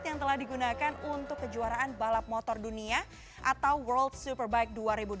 yang telah digunakan untuk kejuaraan balap motor dunia atau world superbike dua ribu dua puluh